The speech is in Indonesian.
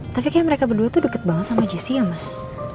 tapi kayak mereka berdua tuh deket banget sama jessi ya mas